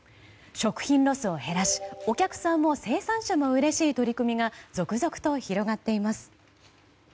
食品ロスを減らし、お客さんも生産者もうれしい取り組みが続々と広がっています。